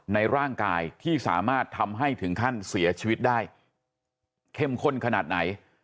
ในร่างกายที่สามารถทำให้ถึงขั้นเสียชีวิตได้เข้มข้นขนาดไหน